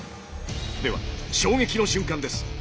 では衝撃の瞬間です。